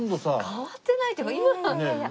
変わってないというか今。